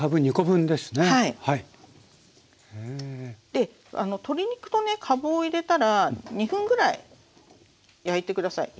で鶏肉とかぶを入れたら２分ぐらい焼いて下さい。